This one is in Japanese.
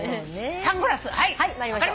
「サンゴラス」はい参りましょう。